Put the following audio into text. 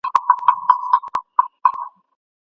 ثنا مزاحمتونه نه مني.